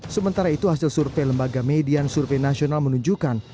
sementara itu hasil survei lembaga median survei nasional menunjukkan